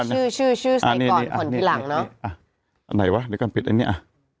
ชื่อชื่อชื่อใส่ก่อนผ่อนทีหลังเนอะอ่ะอันไหนวะเดี๋ยวก่อนปิดอันนี้อ่ะ